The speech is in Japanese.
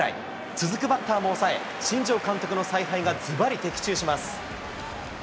続くバッターも抑え、新庄監督の采配がずばり的中します。